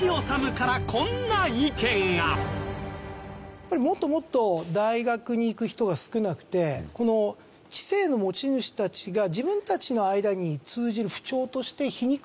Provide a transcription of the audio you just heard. やっぱりもっともっと大学に行く人が少なくてこの知性の持ち主たちが自分たちの間に通じる符丁として。